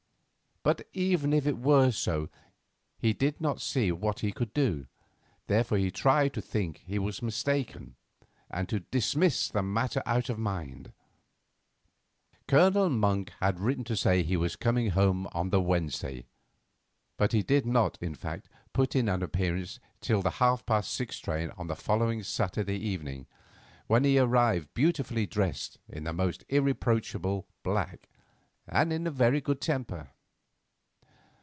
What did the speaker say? But even if it were so he did not see what he could do; therefore he tried to think he was mistaken, and to dismiss the matter from his mind. Colonel Monk had written to say that he was coming home on the Wednesday, but he did not, in fact, put in an appearance till the half past six train on the following Saturday evening, when he arrived beautifully dressed in the most irreproachable black, and in a very good temper.